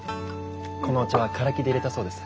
このお茶はカラキでいれたそうです。